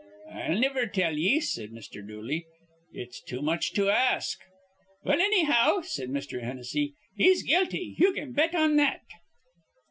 "I'll niver tell ye," said Mr. Dooley. "It's too much to ask." "Well, annyhow," said Mr. Hennessy, "he's guilty, ye can bet on that."